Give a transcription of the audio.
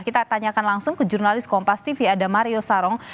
kita tanyakan langsung ke jurnalis kompas tv ada mario sarong